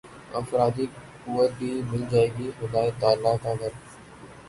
افرادی قوت بھی مل جائے گی خدائے تعالیٰ کا گھر